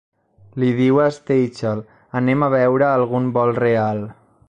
Li diu a Stachel, Anem a veure algun vol real.